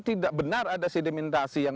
tidak benar ada sedimentasi yang